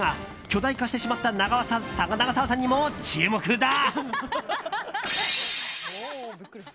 巨大化してしまった長澤さんの演技にも注目だ。